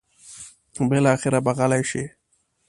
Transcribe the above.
بالاخره به غلې شي.